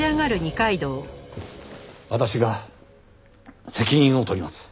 私が責任を取ります。